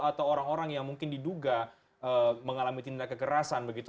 atau orang orang yang mungkin diduga mengalami tindak kekerasan begitu